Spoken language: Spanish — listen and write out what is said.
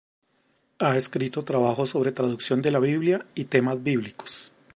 Ha escrito trabajos sobre traducción de la Biblia y temas bíblicos.